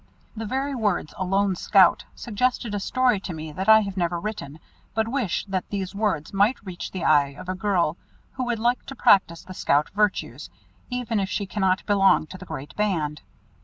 The very words "A lone scout" suggested a story to me that I have never written, but wish that these words might reach the eye of a girl who would like to practise the scout virtues, even if she cannot belong to the great band.